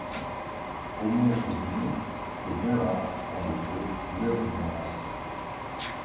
Homo et Vir, c’était bien là en effet leur nuance.